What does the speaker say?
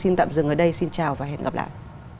xin tạm dừng ở đây xin chào và hẹn gặp lại